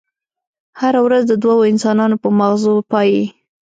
هره ورځ د دوو انسانانو په ماغزو پايي.